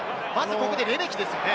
ここでレメキですね。